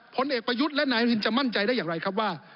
ผลเอกประยุทธ์และนายอนุนจะมั่นใจได้อย่างไรครับว่า